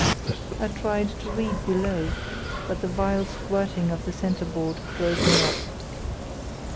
I tried to read below, but the vile squirting of the centreboard drove me up.